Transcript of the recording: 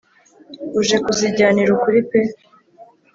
uje kuzijyanira ukuri pe